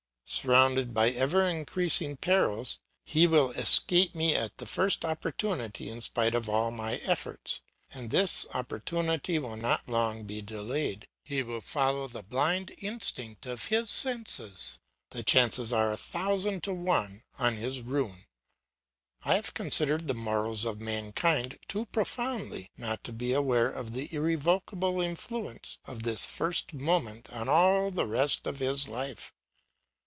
Surrounded by ever increasing perils, he will escape me at the first opportunity in spite of all my efforts, and this opportunity will not long be delayed; he will follow the blind instinct of his senses; the chances are a thousand to one on his ruin. I have considered the morals of mankind too profoundly not to be aware of the irrevocable influence of this first moment on all the rest of his life.